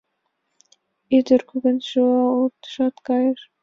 Ӱдыр кугун шӱлалтышат, кайыш.